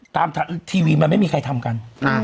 ทีวีมันไม่มีใครทำกัน